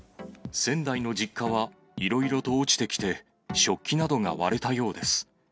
仙台の実家は、いろいろと落ちてきて、食器などが割れたようです。